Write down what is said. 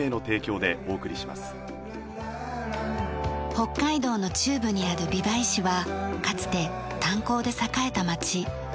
北海道の中部にある美唄市はかつて炭鉱で栄えた町。